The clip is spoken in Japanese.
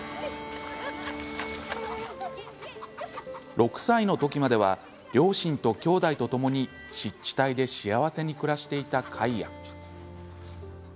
６歳の時までは、両親ときょうだいとともに湿地帯で幸せに暮らしていたカイア。